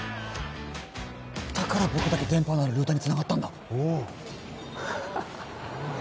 だから僕だけ電波のあるルーターにつながったんだおうハハハ